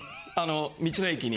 道の駅に。